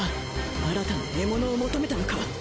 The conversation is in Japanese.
新たな獲物を求めたのか？